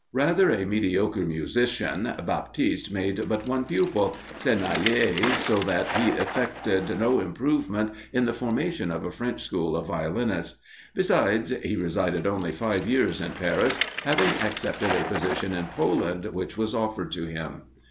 Rather a mediocre musician, Baptiste made but one pupil, Senaillé, so that he effected no improvement in the formation of a French school of violinists. Besides, he resided only five years in Paris, having accepted a position in Poland which was offered to him.